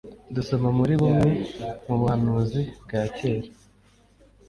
Dusoma muri bumwe mu buhanuzi bwa kera